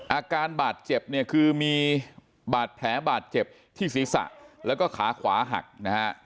อาการบาดเจ็บเนี่ยคือมีบาดแผลบาดเจ็บที่ศีรษะแล้วก็ขาขวาหักนะฮะ